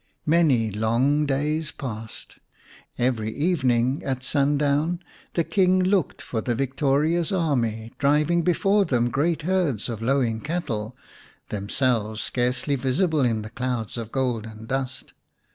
Many long days passed. Every evening at sundown the King looked for the victorious army driving before them great herds of lowing cattle, themselves scarcely visible in the clouds of golden dust.